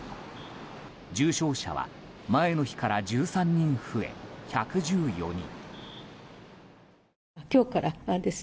重症者は前の日から１３人増え１１４人。